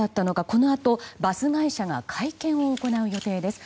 このあとバス会社が会見を行う予定です。